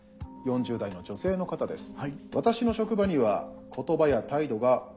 ４０代の女性の方です。